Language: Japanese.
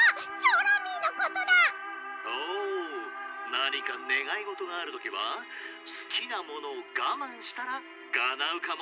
「なにかねがいごとがあるときはすきなものをがまんしたらかなうかも。